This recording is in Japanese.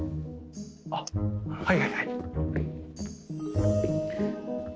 あっはいはいはい。